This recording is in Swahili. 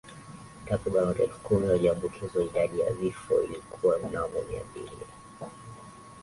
Takriban watu elfu kumi waliambukizwa idadi ya vifo ilikuwa mnamo mia mbili